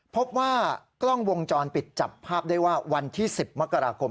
พบว่ากล้องวงจรปิดจับภาพได้ว่าวันที่๑๐มกราคม